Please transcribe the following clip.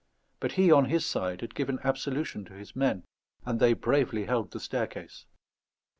But he, on his side, had given absolution to his men, and they bravely held the staircase.